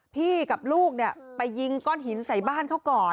กับลูกไปยิงก้อนหินใส่บ้านเขาก่อน